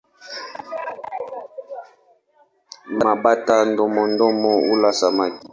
Mabata-domomeno hula samaki.